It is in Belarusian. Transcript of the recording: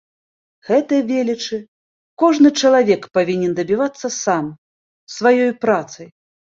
Гэтай велічы кожны чалавек павінен дабівацца сам, сваёй працай.